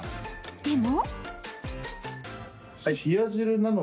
でも。